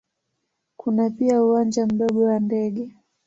Kuna pia uwanja mdogo wa ndege.